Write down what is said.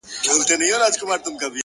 هره شېبه د انتخاب ځواک لري,